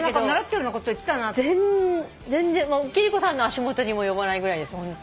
始めたけど全然貴理子さんの足元にも及ばないぐらいですホント。